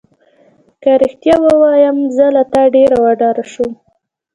که رښتیا ووایم زه له تا ډېره وډاره شوم.